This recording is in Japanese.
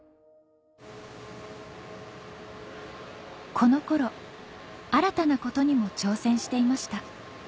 この頃新たなことにも挑戦していました